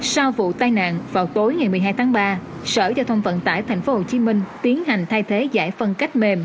sau vụ tai nạn vào tối ngày một mươi hai tháng ba sở giao thông vận tải tp hcm tiến hành thay thế giải phân cách mềm